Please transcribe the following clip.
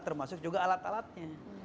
termasuk juga alat alatnya